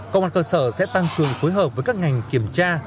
công an cơ sở sẽ tăng cường phối hợp với các ngành kiểm tra